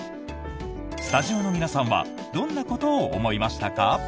スタジオの皆さんはどんなことを思いましたか？